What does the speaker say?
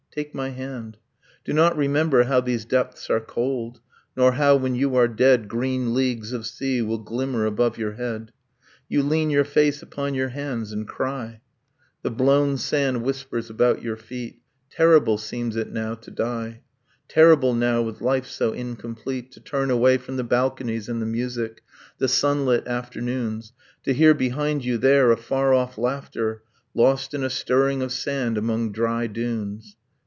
... Take my hand, Do not remember how these depths are cold, Nor how, when you are dead, Green leagues of sea will glimmer above your head. You lean your face upon your hands and cry, The blown sand whispers about your feet, Terrible seems it now to die, Terrible now, with life so incomplete, To turn away from the balconies and the music, The sunlit afternoons, To hear behind you there a far off laughter Lost in a stirring of sand among dry dunes